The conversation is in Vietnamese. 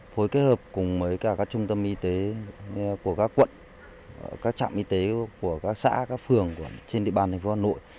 phối kết hợp cùng với cả các trung tâm y tế của các quận các trạm y tế của các xã các phường trên địa bàn thành phố hà nội